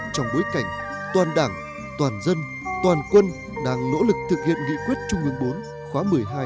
trong bối cảnh toàn đảng toàn dân toàn quân đang nỗ lực thực hiện nghị quyết trung ương bốn khóa một mươi hai